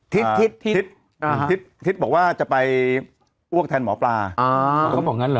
ที่ที่ทททฮิตบอกว่าจะไปอ้วกแทนหมอปลาอ่าเขาก็บอกงั้นหรออ่า